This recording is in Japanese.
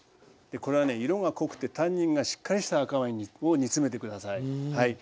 これはね色が濃くてタンニンがしっかりした赤ワインを煮詰めて下さい。